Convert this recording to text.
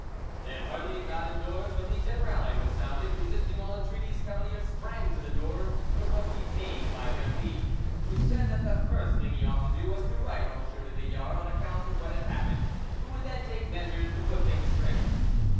They had hardly got indoors when the 'generale' was sounded: resisting all entreaties, Cavalier sprang to the door, but was detained by Berlie, who said that the first thing he ought to do was to write M. de Villars an account of what had happened, who would then take measures to put things straight.